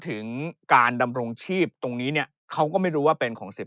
ถึงการดำรงชีพตรงนี้เนี่ยเขาก็ไม่รู้ว่าเป็นของ๑๐